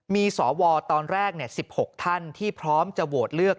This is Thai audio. มีสวตอนแรก๑๖ท่านที่พร้อมจะโหวตเลือก